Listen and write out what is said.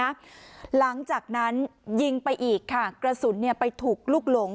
หลังจากนั้นยิงไปอีกค่ะกระสุนเนี่ยไปถูกลูกหลง